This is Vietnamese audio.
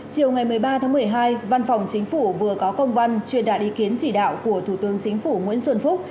chiều ngày một mươi ba tháng một mươi hai văn phòng chính phủ vừa có công văn truyền đạt ý kiến chỉ đạo của thủ tướng chính phủ nguyễn xuân phúc